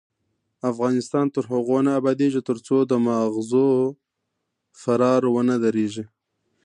افغانستان تر هغو نه ابادیږي، ترڅو د ماغزو فرار ونه دریږي.